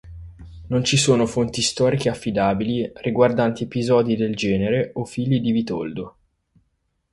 Non ci sono fonti storiche affidabili riguardanti episodi del genere o figli di Vitoldo.